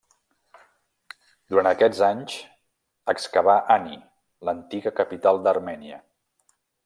Durant aquests anys excavà Ani, l'antiga capital d'Armènia.